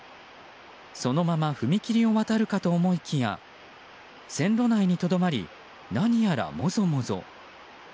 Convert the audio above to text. そのまま踏切を渡るかと思いきや線路内にとどまり何やら、もぞもぞ。